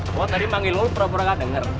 gue tadi manggil lo pura pura gak denger